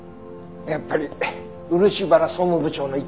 やっぱり漆原総務部長の一件で？